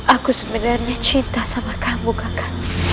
aku sebenarnya cinta sama kamu kakak